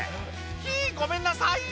「ひぃごめんなさい！